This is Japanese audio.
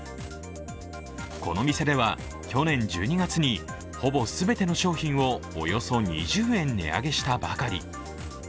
この店では去年１２月にほぼ全ての商品をおよそ２０円値上げしたばかり。